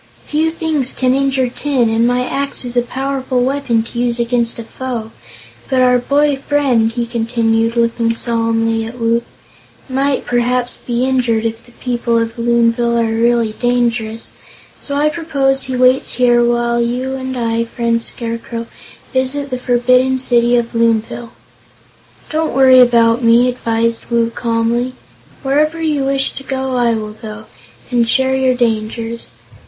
"Few things can injure tin, and my axe is a powerful weapon to use against a foe. But our boy friend," he continued, looking solemnly at Woot, "might perhaps be injured if the people of Loonville are really dangerous; so I propose he waits here while you and I, Friend Scarecrow, visit the forbidden City of Loonville." "Don't worry about me," advised Woot, calmly. "Wherever you wish to go, I will go, and share your dangers.